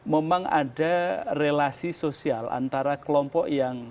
memang ada relasi sosial antara kelompok yang